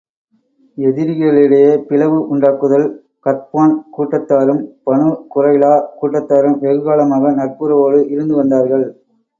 எதிரிகளிடையே பிளவு உண்டாக்குதல் கத்பான் கூட்டத்தாரும், பனூ குறைலா கூட்டத்தாரும் வெகுகாலமாக நட்புறவோடு இருந்து வந்தார்கள்.